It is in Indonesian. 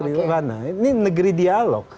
ini negeri dialog